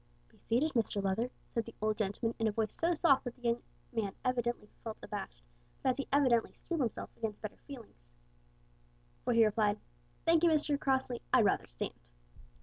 "Be seated, Mr Leather," said the old gentleman in a voice so soft that the young man evidently felt abashed, but he as evidently steeled himself against better feelings, for he replied "Thank you, Mr Crossley, I'd rather stand."